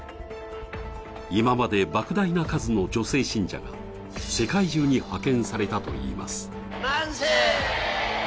今までばく大な数の女性信者が世界中に派遣されたといいます。